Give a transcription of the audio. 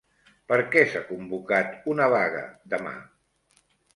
Per què s'ha convocat una vaga demà?